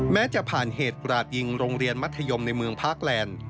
แม้จะผ่านเหตุกราดยิงโรงเรียนมัธยมในเมืองพาร์คแลนด์